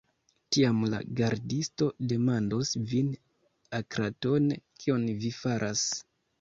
Tiam la gardisto demandos vin akratone, kion vi faras.